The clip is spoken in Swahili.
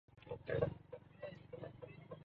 mshahara mzuri Na kuku wa mayai pia